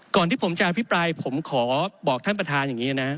ก่อนที่ผมจะอภิปรายผมขอบอกท่านประธานอย่างนี้นะ